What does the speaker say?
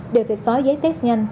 đều phải có giấy test nhanh